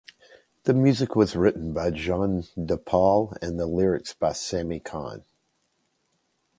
The music was written by Gene De Paul, the lyrics by Sammy Cahn.